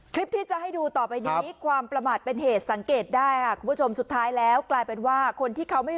คลิปที่จะให้ดูต่อไปนี้ความประมาทเป็นเหตุสังเกตได้ค่ะคุณผู้ชมสุดท้ายแล้วกลายเป็นว่าคนที่เขาไม่